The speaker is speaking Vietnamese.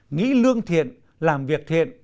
nghĩ lương thiện làm việc thiện